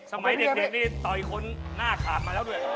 สมัยเด็กนี่ต่อยคนหน้าขาดมาแล้วด้วย